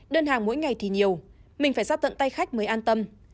đơn hàng mỗi ngày thì nhiều mình phải ra tận tay khách mới an tâm